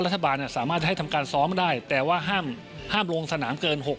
รัฐบาลสามารถจะทำการซ้อมได้แต่ว่าห้ามร่วงสนามเธอรม๖คนอย่างเนี่ย